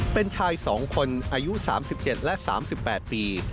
เป็นชาย๒คนอายุ๓๗และ๓๘ปี